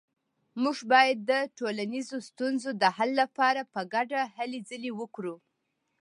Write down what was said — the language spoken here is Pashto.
موږ باید د ټولنیزو ستونزو د حل لپاره په ګډه هلې ځلې وکړو